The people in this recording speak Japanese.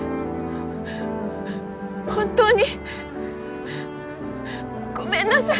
本当にごめんなさい。